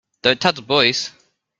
Don't tell the boys!